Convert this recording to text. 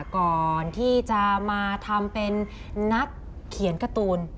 ก่อนที่จะมาทำเป็นนักเขียนการ์ตูน